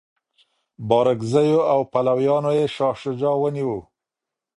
بارکزیو او پلویانو یې شاه شجاع ونیوه.